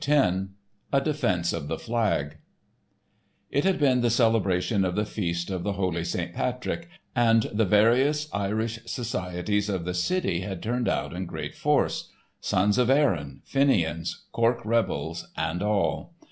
*A Defense of the Flag* It had been the celebration of the feast of the Holy St. Patrick, and the various Irish societies of the city had turned out in great force—Sons of Erin, Fenians, Cork Rebels, and all.